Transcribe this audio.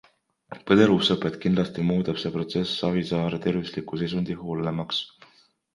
Põdder usub, et kindlasti muudab see protsess Savisaare tervisliku seisundi hullemaks.